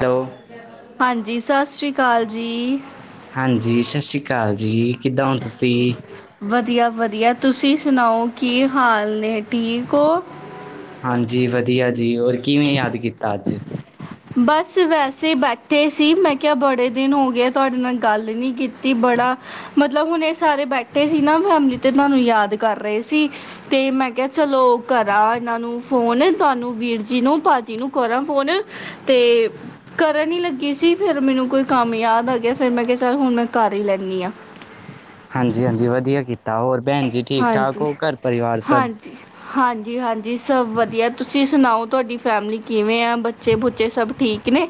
Hello ਹਾਂਜੀ ਸਸ ਰੀ ਕਾਲ ਜੀ। ਹਾਂਜੀ ਸਸ਼ੀ ਕਾਲ ਜੀ ਕਿੱਦਾਂ ਓਂ ਤੁਸੀਂ। ਵਦੀਆ-ਵਦੀਆ ਤੁਸੀਂ ਸੁਨਾਓ ਕੀ ਹਾਲ ਨੇ ਠੀਕ ਓਂ। ਹਾਂਜੀ ਵਦੀਆ ਜੀ ਹੋਰ ਕਿਵੇਂ ਯਾਦ ਕੀਤਾ ਅੱਜ। ਬਸ ਵੈਸੇ ਈ ਬੈਠੇ ਸੀ ਮੈਂ ਕਿਆ ਬੜੇ ਦਿਨ ਹੋ ਗਏ ਤੁਹਾਡੇ ਨਾਲ ਗੱਲ ਈ ਨੀ ਕੀਤੀ ਬੜਾ ਮਤਲਬ ਹੁਨ ਏਹ ਸਾਰੇ ਬੈਠੇ ਸੀ ਨਾ ਫੈਮਲੀ ਤੇ ਤਹਾਨੂੰ ਯਾਦ ਕਰ ਰਏ ਸੀ। ਤੇ ਮੈਂ ਕਿਆ ਚਲੋ ਕਰਾਂ ਏਨਾਂ ਨੂੰ ਫੋਨ ਤੁਹਾਨੂੰ ਵੀਰ ਜੀ ਨੂੰ ਭਾਜੀ ਨੂੰ ਕਰਾਂ ਫੋਨ। ਤੇ ਕਰਨ ਈ ਲੱਗੀ ਸੀ ਫੇਰ ਮੈਨੂੰ ਕੋਈ ਕੰਮ ਯਾਦ ਆ ਗਿਆ ਫੇਰ ਮੈਂ ਕਿਆ ਚੱਲ ਹੁਨ ਮੈਂ ਕਰ ਈ ਲੈਂਨੀ ਆਂ। ਹਾਂਜੀ-ਹਾਂਜੀ ਵਦੀਆ ਕੀਤਾ ਹੋਰ ਭੈਣ ਜੀ ਠੀਕ-ਠਾਕ ਹੋ ਘਰ ਪਰਿਵਾਰ ਸਭ। ਹਾਂਜੀ-ਹਾਂਜੀ ਸਭ ਵਧੀਆ ਤੁਸੀਂ ਸੁਨਾਓ ਤੁਹਾਡੀ ਫੈਮਿਲੀ ਕਿਵੇਂ ਆ। ਬੱਚੇ ਬੁੱਚੇ ਸਬ ਠੀਕ ਨੇ।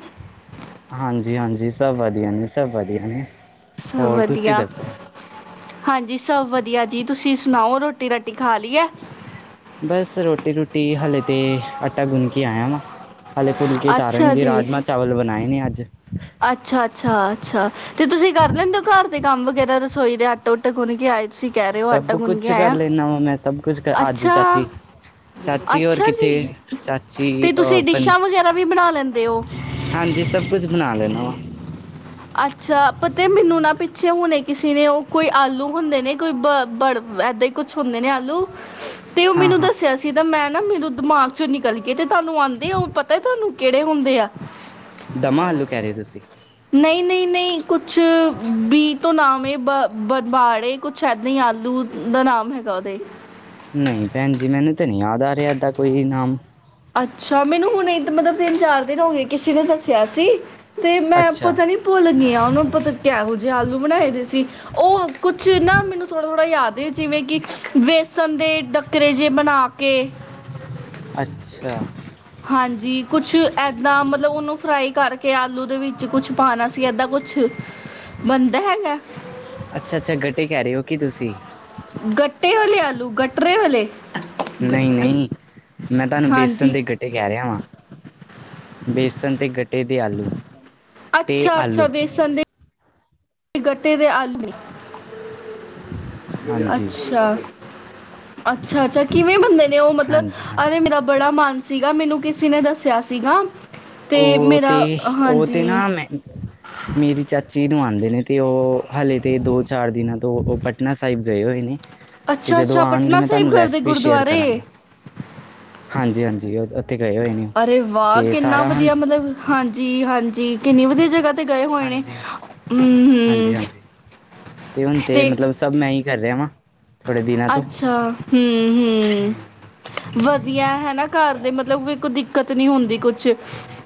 ਹਾਂਜੀ-ਹਾਂਜੀ ਸਬ ਵਦੀਆ ਨੇ ਸਬ ਵਦੀਆ ਨੇ। ਸਬ ਹੋਰ ਤੁਸੀਂ ਵਦੀਆ। ਦੱਸੋ ਹਾਂਜੀ ਸਭ ਵਦੀਆ ਜੀ ਤੁਸੀਂ ਸੁਨਾਓ ਰੋਟੀ ਰਾਟੀ ਖਾ ਲਈ ਐ। ਬਸ ਰੋਟੀ ਰੂਟੀ ਹਲੇੇ ਤੇ ਆਟਾ ਗੁੰਨ ਕੇ ਆਏਆ ਵਾਂ। ਹਲੇੇ ਫੁਲਕੇ ਅੱਛਾ ਤਾਰਨਗੇ ਰਾਜਮਾਂ ਚਾਵਲ ਬਨਾਏ ਨੇ ਅੱਜ। ਅੱਛਾ-ਅੱਛਾ-ਅੱਛਾ ਤੇ ਤੁਸੀਂ ਕਰ ਹਾਂਜੀ ਲੈਂਦੇ ਓਂ ਘਰ ਦੇ ਕੰਮ ਵਗੈਰਾ ਰਸੋਈ ਦੇ ਆਟਾ ਉਟਾ ਗੁੰਨ ਕੇ ਆਏ ਤੁਸੀਂ। ਕੈ ਰਏ ਓਂ ਸਭ ਆਟਾ ਗੁੰਨ ਕੇ ਕੁਛ ਕਰ ਆਏਆਂ, ਲੈਂਦਾ ਵਾਂ ਮੈਂ ਸਭ ਕੁਛ ਕਰ ਅੱਜ ਅੱਛਾ। ਚਾਚੀ ਚਾਚੀ ਹੋਰ ਅੱਛਾ ਜੀ, ਕਿੱਥੇ ਚਾਚੀ ਤੇ ਅ ਤੁਸੀਂ ਪਨ ਡਿਸ਼ਾਂ ਵਗੈਰਾ ਵੀ ਬਨਾ ਲੈਂਦੇ ਓਂ। ਹਾਂਜੀ ਸਬ ਕੁਝ ਬਨਾ ਲੈਂਨਾ ਵਾ। ਅੱਛਾ ਪਤਾ ਮੈਨੂੰ ਨਾ ਪਿੱਛੇ ਹੁਨੇ ਕਿਸੇ ਨੇ ਓਹ ਕੋਈ ਆਲੂ ਹੁੰਦੇ ਨੇ ਕੋਈ ਬ ਬੜ ਏਦਾ ਈ ਕੁਛ ਹੁੰਦੇ ਨੇ ਆਲੂ, ਤੇ ਓ ਹਾਂ ਮੈਨੂੰ ਹਾਂ ਦੱਸਿਆ ਸੀ। ਜਿੱਦਾਂ ਮੈਂ ਨਾ ਮੈਨੂੰ ਦਮਾਕ ਚੋਂ ਨਿਕਲ ਕੇ ਤੇ ਤਾਨੂੰ ਆਂਦੇ ਆ ਓ ਪਤਾ ਤਹਾਨੂੰ ਕੇੜੇ ਹੁੰਦੇ ਆ। ਦਮਾ ਆਲੂ ਕੈ ਰਏ ਓਂ ਤੁਸੀਂ। ਨਈਂ-ਨਈਂ-ਨਈਂ ਕੁਛ ਬੀ ਤੋਂ ਨਾਮ ਐ ਬਾ-ਬ-ਬਾੜੇ ਕੁਛ ਛੰਨੀ ਆਲੂ ਦਾ ਨਾਮ ਹੈਗਾ ਓਦੇ। ਨਈਂ ਭੈਨ ਜੀ ਮੈਨੂੰ ਤਾਂ ਨੀ ਯਾਦ ਆ ਰਿਆ ਏਦਾਂ ਕੋਈ ਵੀ ਨਾਮ। ਅੱਛਾ ਮੈਨੂੰ ਹੁਨ ਇਕ ਮਤਲਬ ਤਿੰਨ-ਚਾਰ ਦਿਨ ਹੋ ਗਏ ਕਿਸੀ ਨੇ ਦੱਸਿਆ ਸੀ। ਤੇ ਮੈਂ ਅੱਛਾ ਪਤਾ ਨੀ ਭੁੱਲ ਗਈ ਆਂ ਓਨੂੰ ਪਤਾ ਨੀ ਕਿਹੋ ਜਹੇ ਆਲੂ ਬਨਾਏ ਦੇ ਸੀ। ਓ ਕੁਛ ਨਾ ਮੈਨੂੰ ਥੋੜਾ-ਥੋੜਾ ਯਾਦ ਏ ਜਿਵੇਂ ਕਿ ਵੇਸਨ ਦੇ ਡੱ ਕਰੇ ਜੇ ਬਨਾ ਕੇ ਅੱਛਾ। ਹਾਂਜੀ ਕੁਛ ਐਦਾਂ ਮਤਲਬ ਓਨੂੰ ਫਰਾਈ ਕਰਕੇ ਆਲੂ ਦੇ ਵਿੱਚ ਕੁਛ ਪਾਣਾ ਸੀ ਐਦਾਂ ਕੁਛ ਬਨਦਾ ਹੈਗਾ। ਅੱਛਾ-ਅੱਛਾ ਗੱਟੇ ਕੈ ਰਏ ਓਂ ਕੀ ਤੁਸੀਂ। ਗੱਟੇ ਵਾਲੇ ਆਲੂ ਗਟਰੇ ਵਾਲੇ ਨਈ-ਨਈ, ਮੈਂ ਤਾਨੂੰ ਬੇਸਨ ਹਾਂਜੀ ਦੇ ਗੱ ਕੈ ਰਿਆ ਵਾਂ, ਬੇਸਨ ਤੇ ਗੱਟੇ ਦੇ ਆਲੂ ਤੇ ਅੱਛਾ-ਅੱਛਾ ਆਲੂ ਬੇਸਨ ਦੇ ਗੱਟੇ ਦੇ ਆਲਮੀ ਹਾਂਜੀ ਅੱਛਾ ਅੱਛਾ, ਅੱਛਾ ਕਿਵੇਂ ਬਣਦੇ ਨੇ ਉਹ ਮਤਲਬ ਹਾਂਜੀ ਅ ਹਾਂਜੀ ਮੇਰਾ ਬੜਾ ਮਨ ਸੀਗਾ ਮੈਨੂੰ ਕਿਸੇ ਨੇ ਦੱਸਿਆ ਸੀਗਾ। ਤੇ ਓ ਤੇ ਮੇਰਾ ਓ ਤੇ ਹਾਂਜੀ ਨਾ ਮੈਂ ਮੇਰੀ ਚਾਚੀ ਨੂੰ ਆਂਦੇ ਨੇ ਤੇ ਉਹ ਹਲੇ ਤੇ ਦੋ ਚਾਰ ਦਿਨਾਂ ਤੋਂ ਉਹ ਪਟਨਾ ਸਾਹਿਬ ਗਏ ਹੋਏ ਨੇ। ਤੇ ਜਦੋਂ ਅੱਛਾ-ਅੱਛਾ ਆਣਗੇ ਪਟਨਾ ਮੈਂ ਸਾਹਿਬ ਤੁਹਾਨੂੰ ਕਰਦੇ ਰੈਸਪੀ ਸ਼ੇਅਰ ਗੁਰਦੁਆਰੇ ਕਰਾਂਗਾ। ਹਾਂਜੀ ਹਾਂਜੀ ਓ ਉੱਥੇ ਗਏ ਹੋਏ ਨੇ। ਉਹ ਅਰੇ ਵਾਹ ਤੇ ਕਿੰਨਾ ਸਾਰਾ ਹੁਣ ਵਧੀਆ ਮਤਲਬ ਹਾਂਜੀ ਹਾਂਜੀ ਕਿੰਨੀ ਵਧੀਆ ਜਗ੍ਹਾ ਤੇ ਗਏ ਹੋਏ ਨੇ ਹਾਂਜੀ ਹੂੰ ਹਾਂਜੀ ਹੂੰ। ਹਾਂਜੀ ਤੇ ਹੁਣ ਤੇ ਮਤਲਬ ਸਭ ਮੈਂ ਹੀ ਕਰ ਰਿਹਾ ਵਾਂ। ਥੋੜੇ ਦਿਨਾਂ ਤੋਂ ਅੱਛਾ ਹੂੰ ਹੂੰ। ਵਧੀਆ ਹਨਾ ਘਰ ਦੇ ਮਤਲਬ ਕੋਈ ਦਿੱਕਤ ਨੀ ਹੁੰਦੀ ਕੁੱਛ,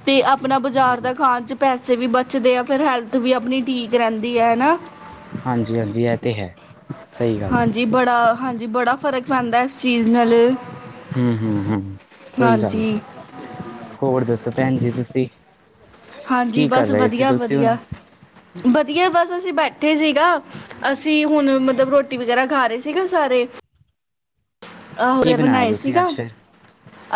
ਤੇ ਆਪਣਾ ਬਜ਼ਾਰ ਦਾ ਖਾਣ 'ਪੈਸੇ ਵੀ ਬਚਦੇ ਆ ਫਿਰ ਹੈਲਥ ਵੀ ਆਪਣੀ ਠੀਕ ਰਹਿੰਦੀ ਆ ਹਨਾ। ਹਾਂਜੀ ਹਾਂਜੀ ਏ ਤੇ ਹੈ ਸਹੀ ਗੱਲ ਐ। ਦਾ ਹਾਂਜੀ ਬੜਾ ਫ਼ਰਕ ਪੈਂਦਾ ਇਸ ਚੀਜ਼ ਨਾਲ ਹੂੰ ਹੂੰ ਹੂੰ, ਸਹੀ ਗੱਲ ਐ ਹਾਂਜੀ ਹੋਰ ਦੱਸੋ ਭੈਣ ਜੀ ਤੁਸੀਂ। ਹਾਂਜੀ ਕੀ ਕਰ ਬਸ ਰਹੇ ਸੀ ਵਧੀਆ ਤੁਸੀਂ ਹੁਣ ਵਧੀਆ ਵਧੀਆ ਬਸ ਅਸੀਂ ਬੈਠੇ ਸੀਗਾ। ਅਸੀਂ ਹੁਣ ਮਤਲਬ ਰੋਟੀ ਵਗੈਰਾ ਖਾ ਰਹੇ ਸੀਗੇ ਸਾਰੇ। ਆਹੋ ਕੀ ਬਣਾਇਆ ਬਣਾਏ ਤੁਸੀਂ ਸੀਗਾ ਅੱਜ ਫਿਰ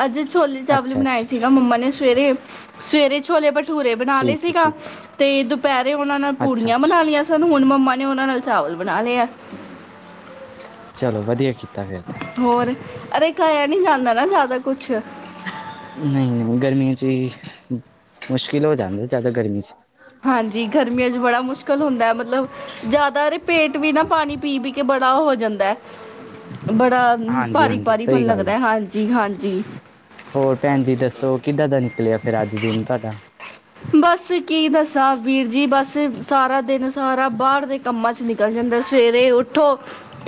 ਅੱਜ ਛੋਲੇ ਚਾਵਲ ਅੱਛਾ ਬਣਾਏ ਅੱਛਾ ਸੀਗਾ ਮੰਮਾ ਨੇ ਸਵੇਰੇ ਸਵੇਰੇ ਛੋਲੇ ਭ, ਠੂਰੇ ਬਣਾ ਲਏ ਠੀਕ ਹੈ ਸੀਗਾ ਠੀਕ ਤੇ ਦੁਪਹਿਰੇ ਉਹਨਾਂ ਨਾਲ ਹੈ। ਅੱਛਾ ਪੂਰੀਆਂ ਅੱਛਾ ਬਣਾ ਲਈਆਂ। ਸਾਨੂੰ ਹੁਣ ਮੰਮਾ ਨੇ ਉਹਨਾਂ ਨਾਲ ਚਾਵਲ ਬਣਾਲੇ ਆ। ਚਲੋ ਵਧੀਆ ਕੀਤਾ ਫਿਰ ਤੇ। ਹੋਰ ਅਰੇ ਖਾਇਆ ਨੀ ਜਾਂਦਾ ਨਾ ਜ਼ਿਆਦਾ ਕੁੱਛ, ਨਹੀਂ ਨਹੀਂ, ਗਰਮੀਆਂ ਚ ਹੀ ਮੁਸ਼ਕਿਲ ਹੋ ਜਾਂਦਾ ਜ਼ਿਆਦਾ ਗਰਮੀ ਚ ਹਾਂਜੀ, ਗਰਮੀਆਂ ਚ ਬੜਾ ਮੁਸ਼ਕਿਲ ਹੁੰਦਾ ਮਤਲਬ ਜ਼ਿਆਦਾ ਪੇਟ ਵੀ ਨਾ ਪਾਣੀ ਪੀ ਪੀ ਕੇ ਬੜਾ ਉਹ ਹੋ ਜਾਂਦਾ ਬੜਾ ਹਾਂਜੀ ਭਾਰੀ ਹਾਂਜੀ ਭਾਰੀ ਮਨ ਸਹੀ ਗੱਲ ਹੈ ਲੱਗਦਾ ਹਾਂਜੀ ਹਾਂਜੀ। ਹੋਰ ਭੈਣ ਜੀ ਦੱਸੋ ਕਿੱਦਾਂ ਦਾ ਨਿਕਲਿਆ ਫੇਰ ਅੱਜ ਦਿਨ ਤੁਹਾਡਾ ਬਸ ਕੀ ਦੱਸਾਂ ਵੀਰ ਜੀ ਬਸ ਸਾਰਾ ਦਿਨ ਸਾਰਾ ਬਾਹਰ ਦੇ ਕੰਮਾਂ 'ਚ ਨਿਕਲ ਜਾਂਦਾ ਸਵੇਰੇ ਉੱਠੋ।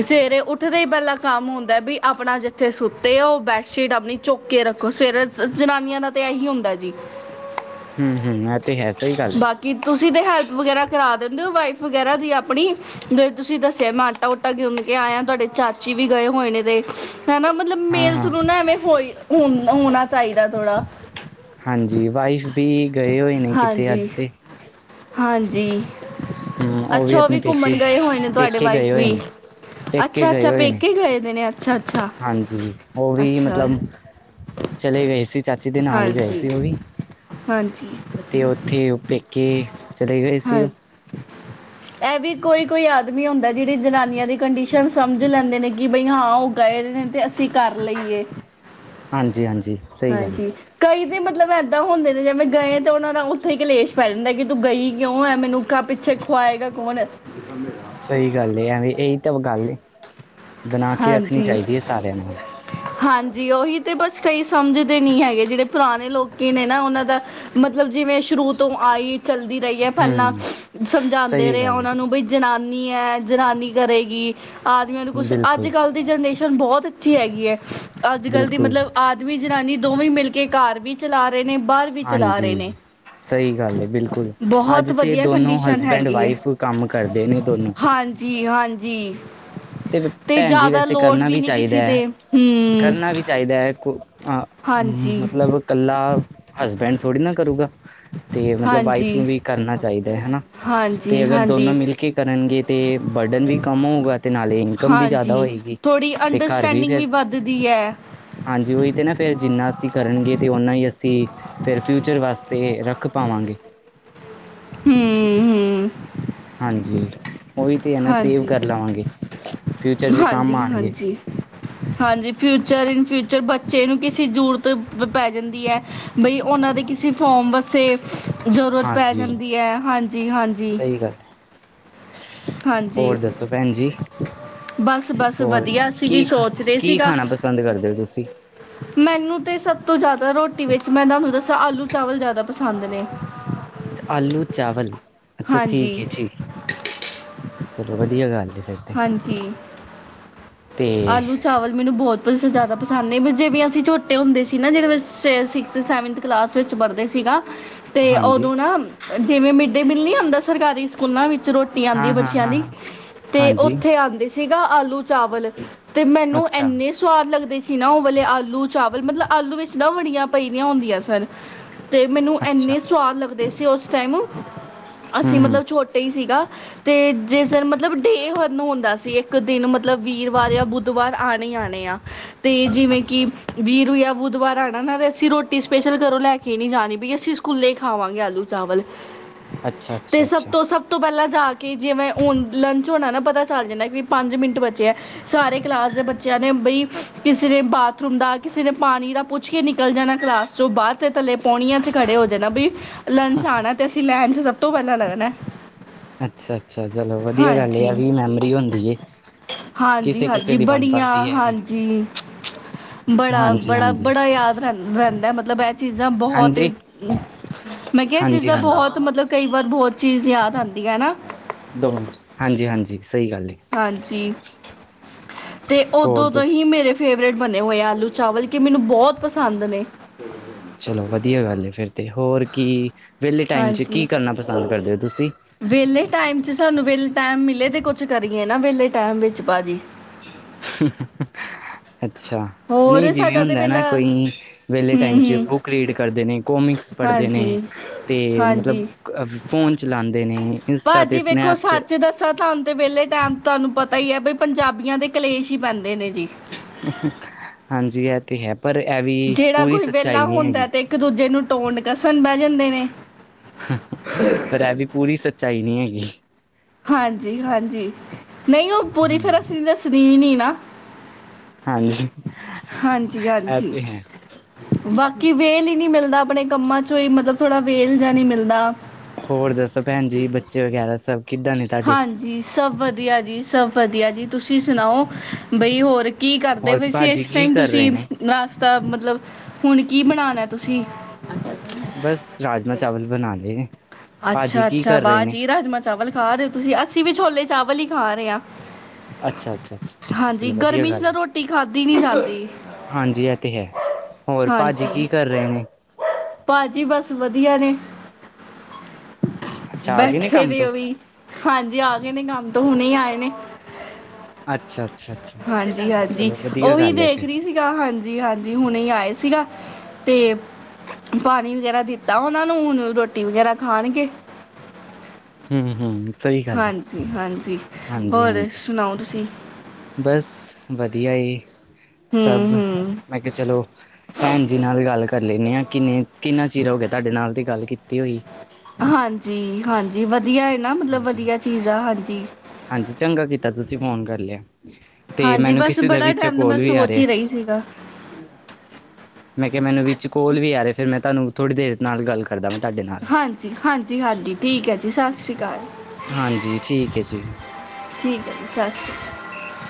ਸਵੇਰੇ ਉੱਠਦੇ ਹੀ ਪਹਿਲਾ ਕੰਮ ਹੁੰਦਾ ਵੀ ਆਪਣਾ ਜਿੱਥੇ ਸੁੱਤੇ ਓ ਬੈਡਸ਼ੀਟ ਆਪਣੀ ਚੁੱਕ ਕੇ ਰੱਖੋ ਸਵੇਰੇ ਜਨਾਨੀਆਂ ਨਾਲ ਤਾਂ ਇਹੀ ਹੁੰਦਾ ਜੀ। ਹੂੰ ਹੂੰ, ਏ ਤੇ ਹੈ ਸਹੀ ਗੱਲ ਐ। ਕਿ ਤੁਸੀਂ ਤਾਂ ਹੈਲਪ ਵਗੈਰਾ ਕਰਾ ਦਿੰਦੇ ਓ ਵਾਈਫ ਵਗੈਰਾ ਦੀ ਆਪਣੀ। ਜਿਵੇਂ ਤੁਸੀਂ ਦੱਸਿਆ ਮੈਂ ਆਟਾ ਉਟਾ ਗੁਣ ਕੇ ਆਇਆ ਤੁਹਾਡੇ ਚਾਚੀ ਵੀ ਗਏ ਹੋਏ ਨੇ ਤੇ ਹਨਾ। ਮਤਲਬ ਹਾਂ ਮੇਲਸ ਹਾਂ ਨੂੰ ਨਾ ਐਵੇਂ ਹੋਈ ਹੋਣਾ ਚਾਹੀਦਾ ਥੋੜਾ। ਹਾਂਜੀ ਵਾਈਫ ਵੀ ਗਏ ਹੋਏ ਨੇ ਕਿਤੇ ਅੱਜ ਹਾਂਜੀ ਤੇ। ਹਾਂਜੀ। ਹੂੰ ਉਹ ਅੱਛਾ ਓ ਆਪਣੇ ਵੀ ਘੁੰਮਣ ਪੇਕੇ ਗਏ ਹੋਏ ਨੇ ਤੁਹਾਡੇ ਪੇਕੇ ਗਏ ਵਾਈਫ ਵੀ। ਹੋਏ ਨੇ ਪੇਕੇ ਗਏ ਅੱਛਾ-ਅੱਛਾ, ਹੋਏ ਨੇ ਪੇਕੇ ਗਏ ਦੇ ਨੇ ਹਾਂਜੀ ਉਹ ਵੀ ਅੱਛਾ-ਅੱਛਾ-ਅੱਛਾ। ਮਤਲਬ ਚਲੇ ਗਏ ਸੀ ਚਾਚੀ ਦੇ ਨਾਲ ਈ ਗਏ ਸੀ ਓ ਵੀ। ਹਾਂਜੀ। ਤੇ ਓਥੇ ਓ ਪੇਕੇ ਚਲੇ ਗਏ ਸੀ ਓ। [unintelligible] ਏ ਵੀ ਕੋਈ ਕੋਈ ਆਦਮੀ ਹੁੰਦਾ ਜੇੜੀ ਜਨਾਨੀਆਂ ਦੀ ਕੰਡੀਸ਼ਨ ਸਮਝ ਲੈਂਦੇ ਨੇ ਕਿ ਬਈ ਹਾਂ ਓ [unintelligible] ਨੇ ਤੇ ਅਸੀਂ ਕਰ ਲਈਏ। ਹਾਂਜੀ-ਹਾਂਜੀ, ਹਾਂਜੀ। ਕਈ ਤੇ ਮਤਲਬ ਇੱਦਾਂ ਹੁੰਦੇ ਨੇ ਜਿਵੇਂ ਗਏ ਤਾਂ ਓਨਾਂ ਦਾ ਉੱਥੇ ਈ ਕਲੇਸ਼ ਪੈ ਜਾਂਦਾ ਕੀ ਤੂੰ ਗਈ ਕਿਉਂ ਐ ਮੈਨੂੰ ਕ ਪਿੱਛੇ ਖੁਆਏਗਾ ਕੌਣ, ਸਈ ਗੱਲ ਐ ਵੀ ਏਈ ਤਾਂ ਗੱਲ ਏ ਬਣਾ ਕੇ ਰੱਖਣੀ ਹਾਂਜੀ ਚਾਈਦੀ ਐ ਸਾਰਿਆਂ ਨੂੰ। ਹਾਂਜੀ ਓਹੀ ਤੇ ਬਸ ਕਈ ਸਮਝਦੇ ਨੀ ਹੈਗੇ ਜੇੜੇ ਪੁਰਾਣੇ ਲੋਕੀ ਨੇ ਨਾ ਓਨਾਂ ਦਾ ਮਤਲਬ ਜਿਵੇਂ ਸ਼ੁਰੂ ਤੋਂ ਆਈ ਚੱਲਦੀ ਰਈ। ਪਹਿਲਾਂ ਹੂੰ ਸਮਝਾਦੇ ਸਹੀ ਰਏ ਆ ਗੱਲ ਓਨਾਂ ਨੂੰ ਬਈ ਜਨਾਨੀ ਐ ਜਨਾਨੀ ਕਰੇਗੀ। ਆਦਮੀਆਂ ਨੂੰ ਹੈ ਕੁੱਛ ਬਿਲਕੁਲ ਅੱਜ-ਕੱਲ੍ਹ ਦੀ ਜਨਰੇਸ਼ਨ ਬੋਤ ਅੱਛੀ ਹੈਗੀ ਐ ਅੱਜ-ਕੱਲ੍ਹ ਦੀ ਬਿਲਕੁਲ ਮਤਲਬ ਆ ਦਮੀ ਜਨਾਨੀ ਦੋਵੇਂ ਈ ਮਿਲ ਕੇ ਘਰ ਵੀ ਚਲਾ ਰੇ ਨੇ ਬਾਰ ਵੀ ਚਲਾ ਰੇ ਨੇ। ਸਈ ਗੱਲ ਐ ਬਿਲਕੁੱਲ ਬਹੁਤ ਅੱਜ ਤੇ ਵਧੀਆ ਦੋਨੋ ਕੰਡੀਸ਼ਨ ਹਸਬੈਂਡ ਹੈਗੀ ਵਾਈਫ ਕੰਮ ਕਰਦੇ ਨੇ ਦੋਨੋ। ਜੀ ਹਾਂਜੀ। ਤੇ ਭੈਣ ਜੀ ਜ਼ਿਆਦਾ ਵੈਸੇ ਲੋੜ ਕਰਨਾ ਵੀ ਨਹੀਂ ਚਾਈਦਾ ਕਿਸੇ ਤੇ ਹਮ ਕਰਨਾ ਵੀ ਚਾਈਦਾ ਕੋ ਹਾਂ ਹਾਂਜੀ ਮਤਲਬ ਕੱਲਾ ਹਸਬੈਂਡ ਥੋੜ੍ਹੀ ਨਾ ਕਰੂਗਾ। ਤੇ ਮਤਲਬ ਵਾਈਫ ਹਾਂਜੀ ਨੂੰ ਵੀ ਕਰਨਾ ਚਾਈਦਾ ਹਨਾ। ਹਾਂਜੀ ਤੇ ਅਗਰ ਦੋਨੋਂ ਹਾਂਜੀ ਮਿਲ ਕੇ ਕਰਨਗੇ ਤੇ ਬਰਡਨ ਵੀ ਕੰਮ ਹੋਊਗਾ। ਹੇ ਇਨਕਮ ਵੀ ਯਾਦਾ ਹਾਂਜੀ ਹੋਏਗੀ ਥੋੜ੍ਹੀ ਤੇ ਘਰ ਵੀ ਅੰਡਰਸਟੈਂਡਿੰਗ ਫਿਰ ਵੱਧਦੀ ਹੈ ਹਾਂਜੀ ਓਹੀ ਤੇ ਨਾ ਫੇਰ ਜਿੰਨਾ ਅਸੀਂ ਕਰਨਗੇ ਤੇ ਨਾ ਈ ਅਸੀਂ ਫੇਰ ਫਿਊਚਰ ਵਾਸਤੇ ਰੱਖ ਪਾਵਾਂਗੇ। ਹੂੰ। ਹਾਂਜੀ ਓਹੀ ਤੇ ਐ ਨਾ ਸੇਵ ਹਾਂਜੀ ਕਰ ਲਵਾਂਗੇ ਫਿਊਚਰ ਚ ਕੰਮ ਹਾਂਜੀ ਆਣਗੇ। ਹਾਂਜੀ ਹਾਂਜੀ ਫਿਊਚਰ ਇਨ ਫਿਊਚਰ ਬੱਚੇ ਨੂੰ ਕਿਸੀ ਜ਼ਰੂਰਤ ਪੈ ਜਾਂਦੀ ਐ। ਬਈ ਓਨਾਂ ਦੇ ਕਿਸੇ ਫੋਮ ਵਾਸਤੇ ਜ਼ਰੂਰਤ ਪੈ ਹਾਂਜੀ ਜਾਂਦੀ ਐ ਹਾਂਜੀ-ਹਾਂਜੀ, ਸਹੀ ਗੱਲ ਹੈ ਹੋਰ ਦੱਸੋ ਭੈਣ ਜੀ? ਬਸ ਬਸ ਹੋਰ ਵਧੀਆ ਅਸੀਂ ਵੀ ਕੀ ਖਾ ਸੋਚ ਰਹੇ ਕੀ ਸੀਗਾ ਖਾਣਾ ਪਸੰਦ ਕਰਦੇ ਓ ਤੁਸੀਂ? ਮੈਨੂੰ ਤੇ ਸਭ ਤੋਂ ਜਾਦਾ ਰੋਟੀ ਵਿੱਚ ਮੈਂ ਤੁਹਾਨੂੰ ਦੱਸਾਂ ਆਲੂ ਚਾਵਲ ਯਾਦਾ ਪਸੰਦ ਨੇ। ਆਲੂ ਚਾਵਲ ਅੱਛਾ ਠੀਕ ਹਾਂਜੀ ਐ ਠੀਕ ਐ ਚਲੋ ਵਧੀਆ ਗੱਲ ਏ। ਹਾਂਜੀ। ਤੇ ਆਲੂ ਚਾ ਚਾਵਲ ਮੈਨੂੰ ਬੋਤ ਪਰ ਯਾਦਾ ਪਸੰਦ ਨੇ ਵੀ ਜਿਵੇਂ ਅਸੀਂ ਝੋਟੇ ਹੁੰਦੇ ਸੀ ਨਾ ਜਿਦੇ ਵਿੱਚ ਸਿਕਸਥ ਸੈਵਨਥ ਕਲਾਸ ਵਿੱਚ ਵਰਦੇ ਸੀਗਾ ਤੇ ਹਾਂਜੀ ਓਦੋਂ ਨਾ ਜਿਵੇਂ ਮਿਡ ਡੇ ਮੀਲ ਨੀ ਹੁੰਦਾ ਸਰਕਾਰੀ ਸਕੂਲਾਂ ਵਿੱਚ ਚ ਰੋਟੀ ਆਂਦੀ ਹਾਂ ਹਾਂ ਬੱਚਿਆਂ ਹਾਂ ਦੀ ਹਾਂ ਤੇ ਹਾਂਜੀ ਉੱਥੇ ਆਂਦੀ ਸੀਗਾ ਆਲੂ ਚਾਵਲ। ਤੇ ਮੈਨੂੰ ਅੱਛਾ ਐਨੇ ਸਵਾਦ ਲੱਗਦੇ ਸੀ ਨਾ ਓ ਵਲੇ ਆਲੂ ਚਾਵਲ ਮਤਲਬ ਆਲੂ ਵਿੱਚ ਨਾ ਬੜੀਆਂ ਪਈ ਦੀਆਂ ਹੁੰਦੀਆਂ ਸਨ। ਤੇ ਮੈਨੂੰ ਅੱਛਾ ਐਨੇ ਸਵਾਦ ਲੱਗਦੇ ਸੀ ਓਸ ਟਾਈਮ ਹੂੰ ਅਸੀਂ ਹੂੰ ਮਤਲਬ ਛੋ ਟੇ ਈ ਸੀਗਾ ਤੇ ਜਿਸ ਦਿਨ ਮਤਲਬ ਡੇ ਖਤਮ ਹੁੰਦਾ ਸੀ ਇੱਕ ਦਿਨ ਮਤਲਬ ਵੀਰ ਵਾਰ ਜਾਂ ਬੁੱਧਵਾਰ ਆਣੇ ਈ ਆਣੇ ਆ ਤੇ ਜਿਵੇਂ ਕਿ ਅੱਛਾ ਵੀਰੁ ਯਾਂ ਬੁੱਧਵਾਰ ਆਨਾ ਨਾ ਅਸੀਂ ਰੋਟੀ ਸਪੈਸ਼ਲ ਘਰੋਂ ਲੈ ਕੇ ਨੀ ਜਾਣੀ ਵੀ ਅਸੀਂ ਸਕੂਲੇ ਹੀ ਖਾਵਾਂਗੇ ਆਲੂ ਚਾਵਲ। ਅੱਛਾ ਤੇ ਅੱਛਾ ਸਭ ਅੱਛਾ ਤੋਂ ਸਭ ਸਭ ਤੋਂ ਪੈਲਾਂ ਜਾ ਕੇ ਜੇਵੇਂ ਹੁਣ ਲੰਚ ਹੋਣਾ ਨਾ ਪਤਾ ਚੱਲ ਜਾਂਣਾ ਵੀ ਪੰਜ ਮਿੰਟ ਬਚੇ ਐ। ਸਾਰੇ ਕਲਾਸ ਦੇ ਬੱਚਿਆਂ ਨੇ ਬਈ ਕਿਸੇ ਨੇ ਬਾਥਰੂਮ ਦਾ ਕਿਸੇ ਨੇ ਪਾਣੀ ਦਾ ਪੁੱਛ ਕੇ ਨਿਕਲ ਜਾਣਾ ਕਲਾਸ ਚੋ ਬਾਦ ਤੇ ਥੱਲੇ ਪੋਣੀਆਂ ਚ ਖੜੇ ਹੋ ਜਾਨਾ ਬੀ ਲੰਚ ਆਣਾ ਤੇ ਅਸੀਂ ਲਾਇਨ ਵਿਚ ਸਭ ਤੋਂ ਪਹਿਲਾਂ ਲੱਗਣਾ ਅੱਛਾ, ਅੱਛਾ ਚਲੋ ਵਧੀਆ ਗੱਲ ਇਹ ਆ ਹਾਂਜੀ ਵੀ ਮੈਮਰੀ ਹੁੰਦੀ ਏ ਹਾਂਜੀ ਕਿਸੇ ਕਿਸੇ ਹਾਂਜੀ ਦੀ ਬਣ ਬੜੀਆਂ ਪਾਉਦੀ ਹੈ ਵੀ ਹਾਂਜੀ ਬੜਾ, ਹਾਂਜੀ ਬੜਾ, ਹਾਂਜੀ ਬੜਾ ਯਾਦ ਰਹਿੰਦਾ ਮਤਲਬ ਇਹ ਚੀਜ਼ਾਂ ਬਹੁਤ ਹਾਂਜੀ ਹੀ ਮੈਂ ਕਿਹਾ ਇਹ ਹਾਂਜੀ ਚੀਜ਼ਾਂ ਹਾਂਜੀ ਬਹੁਤ ਮਤਲਬ ਕਈ ਵਾਰ ਬਹੁਤ ਚੀਜ਼ ਯਾਦ ਆਉਂਦੀ ਆਂ ਹੈ ਨਾ। ਦੋ ਮਿੰਟ ਚ ' ਹਾਂਜੀ, ਹਾਂਜੀ ਸਹੀ ਗੱਲ ਹਾਂਜੀ, ਤੇ ਹੋਰ ਉਦੋਂ ਤੋਂ ਦੱਸ ਹੀ ਮੇਰੇ ਫੇਵਰੇਟ ਬਣੇ ਹੋਏ ਆਲੂ ਚਾਵਲ ਕਿ ਮੈਨੂੰ ਬਹੁਤ ਪਸੰਦ ਨੇ ਹਮ [unintelligible] ਚਲੋ ਵਧੀਆ ਗੱਲ ਹੈ। ਫਿਰ ਤੇ ਹੋਰ ਕੀ ਵਿਹਲੇ ਟਾਈਮ 'ਚ ਹਾਂਜੀ ਕੀ ਕਰਨਾ ਪਸੰਦ ਕਰਦੇ ਹੋ ਤੁਸੀਂ? ਵਿਹਲੇ ਟਾਈਮ ਚ ਸਾਨੂੰ ਵਿਹਲੇ ਟਾਈਮ ਮਿਲੇ ਤੇ ਕੁਛ ਕਰੀਏ ਨਾ ਵਿਹਲੇ ਟਾਈਮ ਵਿੱਚ ਭਾਜੀ ਅੱਛਾ, ਨਹੀਂ ਹੋਰ ਜਿਵੇਂ ਸਾਡਾ ਤਾਂ ਹੁੰਦਾ ਨਾ ਵਿਹਲਾ ਕੋਈ ਵਿਹਲੇ ਹੂੰ ਟਾਈਮ ਚ ਹੂੰ ਬੁੱਕ ਰੀਡ ਕਰਦੇ ਨੇ, ਕੋਮਿਕਸ ਪੜ੍ਹਦੇ ਹਾਂਜੀ ਨੇ ਤੇ ਮਤਲਬ ਹਾਂਜੀ ਫੋਨ ਚਲਾਉਂਦੇ ਨੇ ਇੰਸਟਾ ਬਸ 'ਤੇ ਜੀ ਵੇਖੋ ਸਨੈਪ 'ਚ ਸੱਚ ਦੱਸ ਪਤਾ ਤੁਹਾਨੂੰ ਤੇ ਵਿਹਲੇ ਟਾਈਮ ਤੁਹਾਨੂੰ ਪਤਾ ਹੀ ਹੈ ਬਾਈ ਪੰਜਾਬੀਆਂ ਦੇ ਕਲੇਸ਼ ਹੀ ਪੈਂਦੇ ਨੇ ਜੀ ਹਾਂਜੀ, ਇਹ ਤੇ ਹੈ ਪਰ ਇਹ ਵੀ ਜਿਹੜਾ ਪੂਰੀ ਕੋਈ ਵਿਹਲਾ ਸੱਚਾਈ ਨਹੀਂ ਹੁੰਦਾ ਹੈਗੀ। ਤੇ ਇੱਕ ਦੂਜੇ ਨੂੰ ਟੋਂਟ ਕਸਣ ਬਹਿ ਜਾਂਦੇ ਨੇ ਪਰ ਇਹ ਵੀ ਪੂਰੀ ਸੱਚਾਈ ਨਹੀਂ ਹੈਗੀ। ਹਾਂਜੀ, ਹਾਂਜੀ ਨਹੀਂ ਉਹ ਪੂਰੀ ਹਮ ਫੇਰ ਅਸੀਂ ਦੱਸਣੀ ਵੀ ਨੀ ਨਾੰ ਹਾਂਜੀ ਹਾਂਜੀ- ਇਹ ਹਾਂਜੀ ਤੇ ਹੈ ਬਾਕੀ ਵੇਹਲ ਹੀ ਨਹੀਂ ਮਿਲਦਾ ਆਪਣੇ ਕੰਮਾਂ ਚੋਂ ਹੀ ਮਤਲਬ ਥੋੜ੍ਹਾ ਵੇਲ ਜਿਹਾ ਨਹੀਂ ਮਿਲਦਾ। ਹੋਰ ਦੱਸੋ ਭੈਣ ਜੀ ਬੱਚੇ ਵਗੈਰਾ ਸਭ ਕਿੱਦਾਂ ਨੇ? ਤੁਹਾਡੇ ਹਾਂਜੀ, ਸਭ ਵਧੀਆ ਜੀ, ਸਭ ਵਧੀਆ ਜੀ, ਤੁਸੀਂ ਸੁਣਾਓ ਬਈ ਹੋਰ ਕੀ ਕਰਦੇ ਹੋਰ ਪਏ ਸੀ ਭਾਜੀ ਇਸ ਕੀ ਟਾਈਮ ਕਰ ਰਹੇ ਤੁਸੀਂ ਨੇ ਨਾਸ਼ਤਾ ਮਤਲਬ ਹੁਣ ਕੀ ਬਣਾਉਣਾ ਤੁਸੀਂ ਬਸ ਰਾਜਮਾਂ ਚਾਵਲ ਬਣਾ ਲਏ ਨੇ ਭਾਜੀ ਅੱਛਾ, ਕੀ ਅੱਛਾ ਕਰ ਰਹੇ ਵਾਹ ਨੇ ਜੀ ਰਾਜਮਾਂ ਚਾਵਲ ਖਾ ਰਹੇ ਹੋ ਤੁਸੀਂ ਅਸੀਂ ਵੀ ਛੋਲੇ ਚਾਵਲ ਹੀ ਖਾ ਰਹੇ ਹਾਂ। ਅੱਛਾ ਅੱਛਾ ਅੱਛਾ ਹਾਂਜੀ, ਚਲੋ ਵਧੀਆ ਗਰਮੀ ਚ ਗੱਲ ਤਾਂ ਹੈ ਨਾ ਰੋਟੀ ਖਾਧਦੀ ਨੀ ਜਾਂਦੀ ਹਾਂਜੀ ਇਹ ਤੇ ਹੈ, ਹੋਰ ਭਾਜੀ ਹਾਂਜੀ। ਕੀ ਕਰ ਰਹੇ ਨੇ? ਭਾਜੀ ਬਸ ਵਧੀਆ ਨੇ ਅੱਛਾ ਆ ਗਏ ਬੈਠੇ ਕੰਮ ਨੇ ਤੋਂ ਉਹ ਵੀ ਹਾਂਜੀ, ਆ ਗਏ ਨੇ ਕੰਮ ਤੋਂ ਹੁਣੇ ਹੀ ਆਏ ਨੇ। ਅੱਛਾ ਅੱਛਾ ਅੱਛਾ ਹਾਂਜੀ, ਹਾਂਜੀ ਚਲੋ ਵਧੀਆ ਉਹੀ ਗੱਲ ਹੈ ਦੇਖ ਫਿਰ ਰਹੀ ਤੇ ਸੀਗਾ ਹਾਂਜੀ, ਹਾਂਜੀ ਹੁਣੇ ਹੀ ਆਏ ਸੀਗਾ ਤੇ ਪਾਣੀ ਵਗੈਰਾ ਦਿੱਤਾ ਉਹਨਾਂ ਨੂੰ ਹੁਣ ਰੋਟੀ ਵਗੈਰਾ ਖਾਣਗੇ ਹੂੰ ਹੂੰ ਹਾਂਜੀ, ਹਾਂਜੀ ਹੋਰ ਹਾਂਜੀ ਸੁਣਾਓ ਤੁਸੀਂ? ਬਸ ਵਧੀਆ ਏ ਸਭ ਹੂੰ-ਹੂੰ। ਮੈਂ ਕਿਹਾ ਚਲੋ ਭੈਣ ਜੀ ਨਾਲ ਗੱਲ ਕਰ ਲੈਂਨੇ ਆ ਕਿੰਨੇ ਕਿੰਨਾ ਚਿਰ ਹੋ ਗਿਆ ਤੁਹਾਡੇ ਨਾਲ ਦੀ ਗੱਲ ਕੀਤੀ ਹੋਈ ਹਾਂਜੀ -ਹਾਂਜੀ ਵਧੀਆ ਏ ਨਾ ਮਤਲਬ ਹਾਂਜੀ ਵਧੀਆ ਚੀਜ਼ ਆ ਹਾਂਜੀ ਹਾਂਜੀ, ਚੰਗਾ ਕੀਤਾ ਤੁਸੀਂ ਫੋਨ ਕਰ ਲਿਆ। ਤੇ ਹਾਂਜੀ ਮੈਨੂੰ ਬਸ ਕਿਸੇ ਦਾ ਬੜਾ ਵਿੱਚ ਟਾਈਮ ਮੈਂ ਕੋਲ ਵੀ ਆ ਸੋਚ ਰਿਹਾ। ਹੀ ਰਹੀ ਸੀਗਾ ਮੈਂ ਕਿਹਾ ਮੈਨੂੰ ਵਿੱਚ ਕੋਲ ਵੀ ਆ ਰਿਹਾਂ ਫਿਰ ਮੈਂ ਤੁਹਾਨੂੰ ਥੋੜ੍ਹੀ ਦੇਰ ਨਾਲ ਗੱਲ ਕਰਦਾ ਵਾਂ ਤੁਹਾਡੇ ਨਾਲ ਹਾਂਜੀ- ਹਾਂਜੀ -ਹਾਂਜੀ ਠੀਕ ਹੈ ਜੀ ਸਤਿ ਸ਼੍ਰੀ ਅਕਾਲ। ਹਾਂਜੀ, ਠੀਕ ਹੈ ਜੀ। ਠੀਕ ਹੈ ਜੀ ਸਤਿ ਸ਼੍ਰੀ।